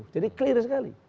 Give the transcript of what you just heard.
jadi clear sekali